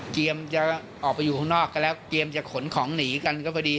จะออกไปอยู่ข้างนอกก็แล้วเตรียมจะขนของหนีกันก็พอดี